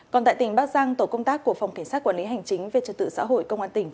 còn tại tỉnh bắc giang tổ công tác của phòng cảnh sát quản lý hành chính về trật tự xã hội công an tỉnh